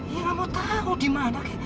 ya nggak mau tahu dimana oke